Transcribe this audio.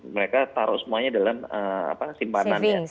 mereka taruh semuanya dalam simpanannya